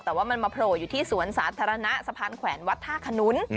แต่ว่ามันมาโผล่อยู่ที่สวนสาธารณะสะพานแขวนวัดท่าขนุน